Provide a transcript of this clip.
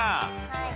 はい。